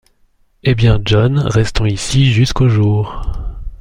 Eh bien, John, restons ici jusqu’au jour.